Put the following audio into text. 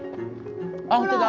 あっ本当だ！